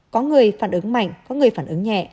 có người phản ứng mạnh có người phản ứng nhẹ